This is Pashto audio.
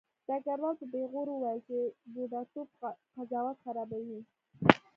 ډګروال په پیغور وویل چې بوډاتوب قضاوت خرابوي